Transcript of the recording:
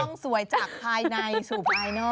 ต้องสวยจากภายในสู่ภายนอก